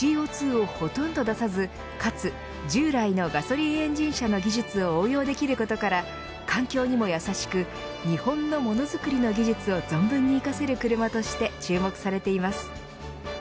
ＣＯ２をほとんど出さずかつ、従来のガソリンエンジン車の技術を応用できることから環境にも優しく日本のモノづくりの技術を存分に生かせる車として注目されています。